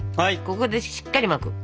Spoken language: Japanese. ここでしっかり巻く。